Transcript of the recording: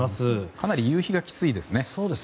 かなり夕日がきついですね。